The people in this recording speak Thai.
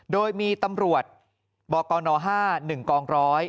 โดยมีตำรวจบกห้าหนึ่งกองร้อย